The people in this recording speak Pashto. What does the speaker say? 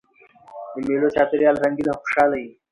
د مېلو چاپېریال رنګین او خوشحاله يي.